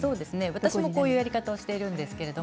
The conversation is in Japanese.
私もこういうやり方をしています。